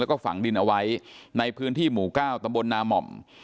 แล้วก็ฝังดินเอาไว้ในพื้นที่หมู่๙ตำบลนาม่อม